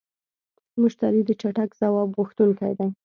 مشتری د چټک ځواب غوښتونکی دی.